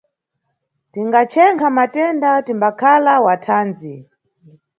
Tingachenkha matenda, timbakhala wa thandzi.